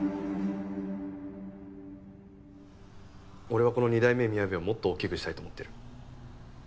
俺はこの二代目みやべをもっと大きくしたいと思ってる。